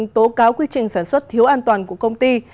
báo quy trình sản xuất thiếu an toàn của công ty